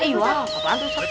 iya apaan tuh ustadz